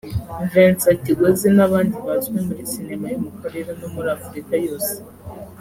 Vincent Kigozi n’abandi bazwi muri Sinema yo mu karere no muri Afurika yose